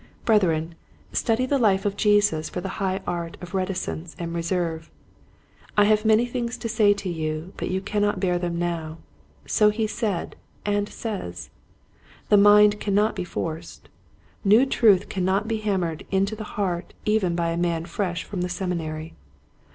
Brethren, study the life of Jesus for the 64 Quiet Hints to Growing Preachers, high art of reticence and reserve. " I have many things to say unto you but you can not bear them now :" so he said and says. The mind cannot be forced. New truth cannot be hammered into the heart even by a man fresh from the Seminary.